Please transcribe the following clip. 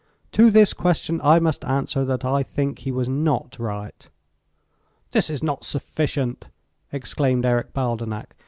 To this question I must answer that I think he was not right." This is not sufficient," exclaimed Eric Baldenak.